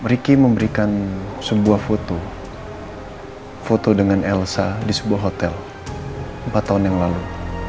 ricky memberikan sebuah foto foto dengan elsa di sebuah hotel empat tahun yang lalu